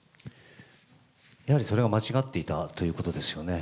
やはりそれが間違っていたということですよね。